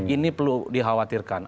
ini perlu dikhawatirkan